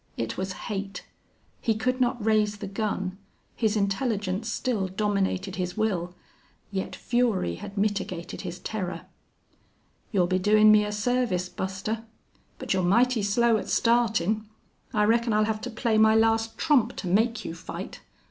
It was hate. He could not raise the gun. His intelligence still dominated his will. Yet fury had mitigated his terror. "You'll be doin' me a service, Buster.... But you're mighty slow at startin'. I reckon I'll have to play my last trump to make you fight.